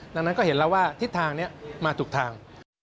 ดังนั้นก็เห็นแล้วว่าทิศทางนี้มาถูกทาง